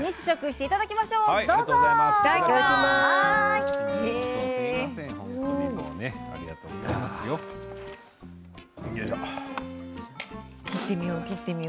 いただきますよ。